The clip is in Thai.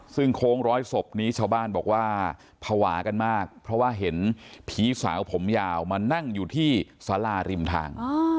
ซึ่งโค้งร้อยศพนี้ชาวบ้านบอกว่าภาวะกันมากเพราะว่าเห็นผีสาวผมยาวมานั่งอยู่ที่สาราริมทาง